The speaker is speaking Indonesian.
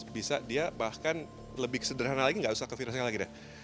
bisa dia bahkan lebih sederhana lagi nggak usah ke virusnya lagi deh